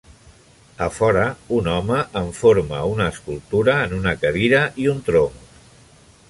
A fora, un home enforma una escultura en una cadira i un tronc.